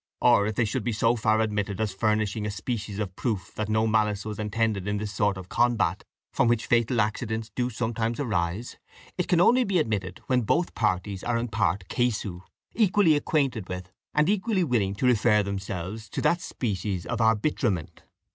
Or, if they should be so far admitted as furnishing a species of proof that no malice was intended in this sort of combat, from which fatal accidents do sometimes arise, it can only be so admitted when both parties are in part casu, equally acquainted with, and equally willing to refer themselves to, that species of arbitrament.